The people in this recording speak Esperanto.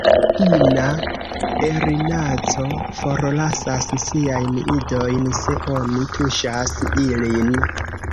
Ina erinaco forlasas siajn idojn se oni tuŝas ilin.